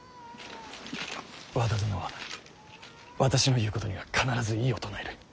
和田殿は私の言うことには必ず異を唱える。